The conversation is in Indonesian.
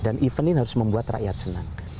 dan event ini harus membuat rakyat senang